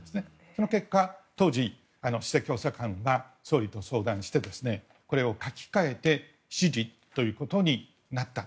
その結果、当時首席補佐官は総理と相談してこれを書き換えて支持ということになった。